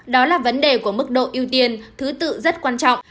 đó là vấn đề của mức độ ưu tiên thứ tự rất quan trọng